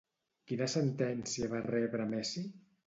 Quina sentència va rebre Messi?